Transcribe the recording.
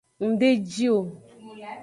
Ng de ji o.